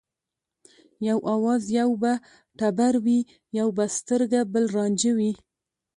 یو آواز یو به ټبر وي یو به سترګه بل رانجه وي